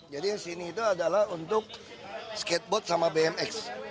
jadi yang sini itu adalah untuk skateboard sama bmx